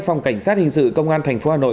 phòng cảnh sát hình sự công an thành phố hà nội